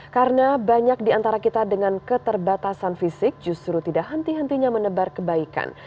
karena banyak diantara kita dengan keterbatasan fisik justru tidak henti hentinya menebar kebaikan